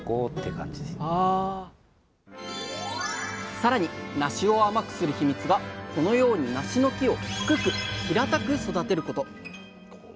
さらになしを甘くするヒミツがこのようになしの木を低く平たく育てること。